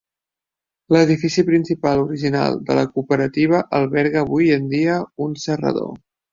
L'edifici principal original de la cooperativa alberga avui en dia un serrador.